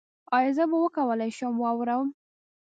ایا زه به وکولی شم واورم؟